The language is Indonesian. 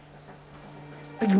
sudah tiga gini